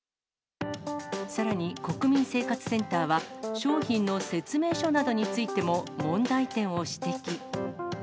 さらに、国民生活センターは、商品の説明書などについても問題点を指摘。